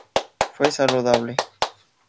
Fue saludable.